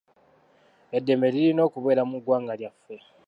Eddembe lirina okubeera mu gwanga lyaffe.